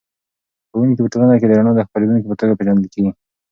ښوونکی په ټولنه کې د رڼا د خپروونکي په توګه پېژندل کېږي.